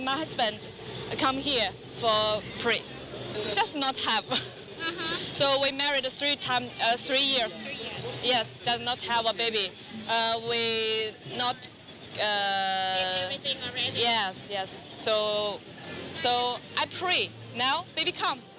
เมื่อ๓ปีก่อนผมก็จับตัวเงินงั้นแม่ข้ามีตัวเงินไว้